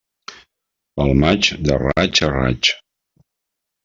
Pel maig, de raig a raig.